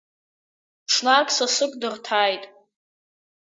Ҽнак сасык дырҭааит.